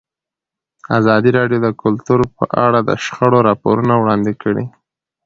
ازادي راډیو د کلتور په اړه د شخړو راپورونه وړاندې کړي.